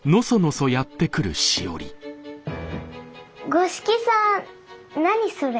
五色さん何それ？